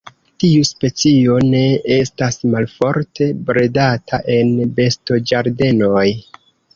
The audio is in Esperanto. Tiu specio ne estas malofte bredata en bestoĝardenoj.